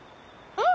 うん！